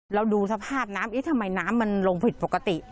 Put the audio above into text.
เราดูสภาพน้ำทำไมน้ำมันลงผิดปกติ